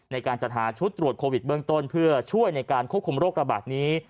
ในการจัดหาชุดตรวจโควิดเบื้องต้นเพื่อช่วยในการควบคุมโรคระบาดนี้